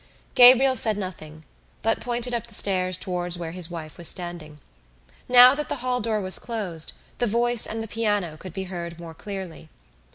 Gabriel said nothing but pointed up the stairs towards where his wife was standing. Now that the hall door was closed the voice and the piano could be heard more clearly.